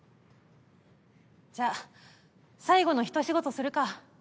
じゃあ最後のひと仕事するか。